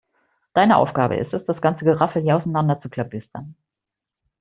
Deine Aufgabe ist es, das ganze Geraffel hier auseinander zu klabüstern.